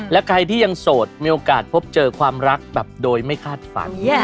และใครที่ยังโสดมีโอกาสพบเจอความรักแบบโดยไม่คาดฝัน